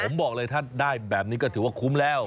ผมบอกเลยถ้าได้แบบนี้ก็ถือว่าคุ้มแล้ว